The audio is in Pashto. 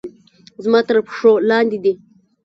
زما تر پښو لاندې دي